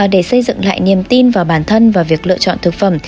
để xây dựng lại niềm tin vào bản thân và việc lựa chọn thực phẩm